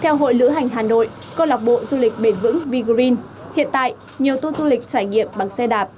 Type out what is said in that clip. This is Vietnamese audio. theo hội lữ hành hà nội công lọc bộ du lịch bền vững v green hiện tại nhiều tuôn du lịch trải nghiệm bằng xe đạp